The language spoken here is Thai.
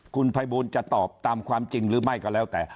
คุณภัยบูลจะตอบตามความจริงหรือไม่ก็แล้วแต่